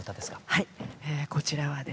はいこちらはですね